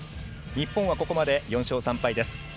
日本はここまで４勝３敗です。